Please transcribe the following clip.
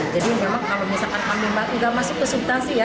jadi memang kalau misalkan pandemik tidak masuk ke subtansi ya